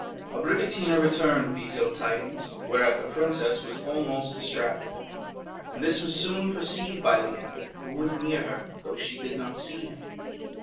Abricotina returned with these ill tidings, whereat the princess was almost distracted; and this was soon perceived by Leander, who was near her, though she did not see him.